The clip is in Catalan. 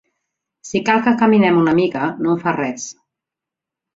Si cal que caminem una mica, no em fa res.